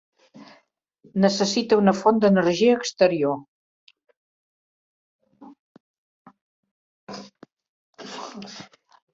Necessita una font d'energia exterior.